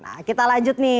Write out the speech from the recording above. nah kita lanjut nih